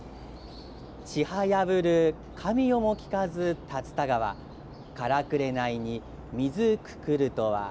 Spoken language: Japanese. ちはやぶる神代もきかず竜田川からくれないに水くくるとは。